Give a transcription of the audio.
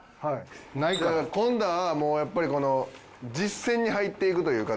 今度はやっぱりこの実戦に入っていくという形。